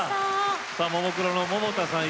ももクロの百田さん